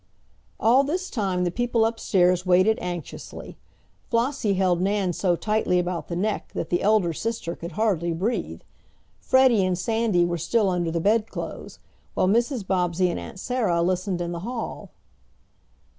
All this time the people upstairs waited anxiously. Flossie held Nan so tightly about the neck that the elder sister could hardly breathe. Freddie and Sandy were still under the bedclothes, while Mrs. Bobbsey and Aunt Sarah listened in the hall.